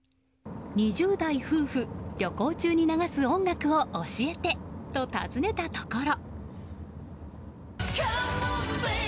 ２０代夫婦旅行中に流す音楽を教えてと尋ねたところ。